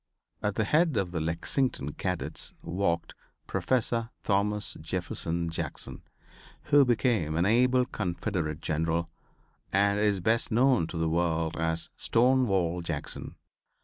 At the head of the Lexington cadets walked Professor Thomas Jefferson Jackson, who became an able Confederate General and is best known to the world as "Stonewall Jackson."